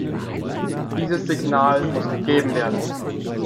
Dieses Signal muss gegeben werden.